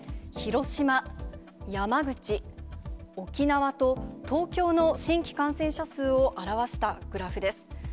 広島、山口、沖縄と東京の新規感染者数を表したグラフです。